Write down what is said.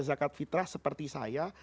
zakat fitrah seperti saya